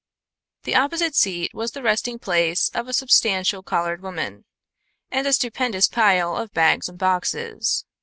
The opposite seat was the resting place of a substantial colored woman and a stupendous pile of bags and boxes.